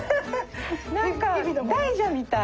何か大蛇みたい。